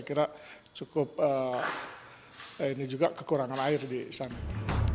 ini juga kekurangan air di sana